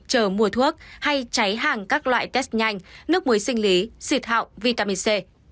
chờ mua thuốc hay cháy hàng các loại test nhanh nước muối sinh lý xịt hạo vitamin c